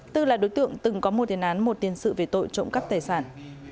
tư là đối tượng từng có một tiền án một tiền sự về tội trụng cấp tài sản